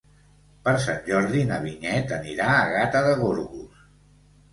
Per Sant Jordi na Vinyet anirà a Gata de Gorgos.